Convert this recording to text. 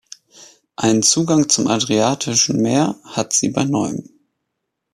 Einen Zugang zum Adriatischen Meer hat sie bei Neum.